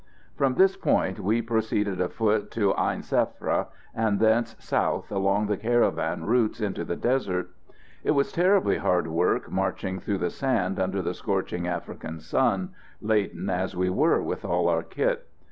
From this point we proceeded afoot to Ain Sefra, and thence south, along the caravan routes into the desert. It was terribly hard work marching through the sand under the scorching African sun, laden as we were with all our kit.